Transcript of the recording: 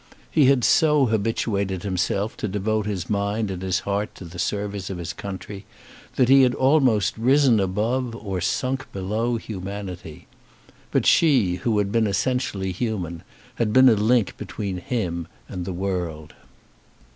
He had so habituated himself to devote his mind and his heart to the service of his country, that he had almost risen above or sunk below humanity. But she, who had been essentially human, had been a link between him and the world.